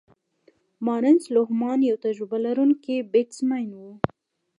مارنس لوهمان یو تجربه لرونکی بیټسمېن وو.